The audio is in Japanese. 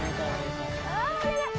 ああお願い！